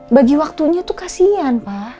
bagi waktunya tuh kasian pa